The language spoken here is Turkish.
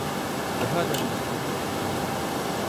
Daha da iyisi.